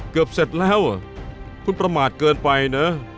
เกือบเสร็จแล้วคุณประมาทเกินไปนะ